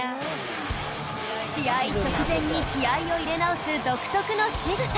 試合直前に気合を入れ直す独特のしぐさ